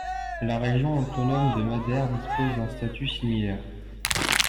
La région autonome de Madère dispose d'un statut similaire.